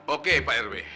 oke pak rw